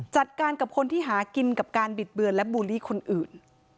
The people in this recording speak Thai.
จัดการกับคนที่หากินกับการบิดเบือนและบูลลี่คนอื่น